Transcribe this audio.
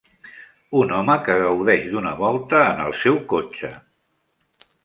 Un home que gaudeix d'una volta en el seu cotxe.